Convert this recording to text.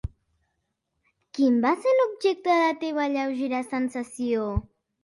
Quin va ser l'objecte de la teva lleugera sensació?